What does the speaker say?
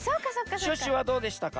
シュッシュはどうでしたか？